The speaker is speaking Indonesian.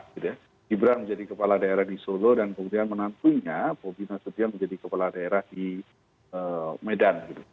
gibran menjadi kepala daerah di solo dan kemudian menantunya bobi nasution menjadi kepala daerah di medan